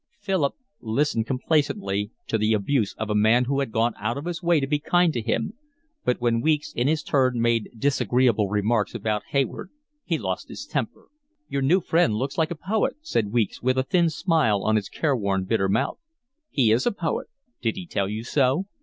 Philip listened complacently to the abuse of a man who had gone out of his way to be kind to him, but when Weeks in his turn made disagreeable remarks about Hayward he lost his temper. "Your new friend looks like a poet," said Weeks, with a thin smile on his careworn, bitter mouth. "He is a poet." "Did he tell you so?